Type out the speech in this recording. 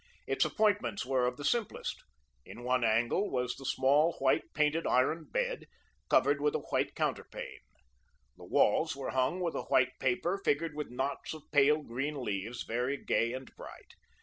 Its appointments were of the simplest. In one angle was the small white painted iron bed, covered with a white counterpane. The walls were hung with a white paper figured with knots of pale green leaves, very gay and bright.